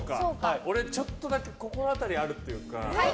俺、ちょっとだけ心当たりあるというか